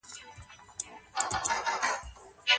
خلګو په ګډه دسترخوان کي پنير او خرما ولي راوړله؟